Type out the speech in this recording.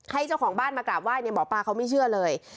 ให้เจ้าของบ้านมากราบไหว้หมอปลาเขาไม่เชื่อเลย